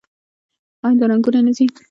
آیا دا رنګونه نه ځي؟